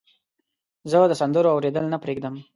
زه د سندرو اوریدل نه پرېږدم.